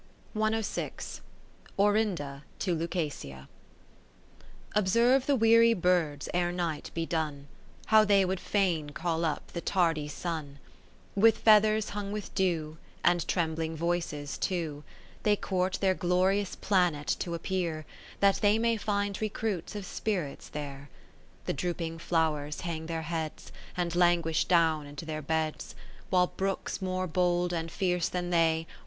Orinda to Lucasia I Observe the weary birds ere night be done, How they would fain call up the tardy Sun, ' This hybrid has been already noted. ( 593 ) Q q Kath erine Philips, With feathers hung with dew, And trembhng voices too, They court their glorious planet to appear, That they may find recruits of spirits there. The drooping flowers hang their heads, And languish down into their beds : While brooks more bold and fierce than they.